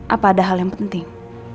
apa ada hal yang penting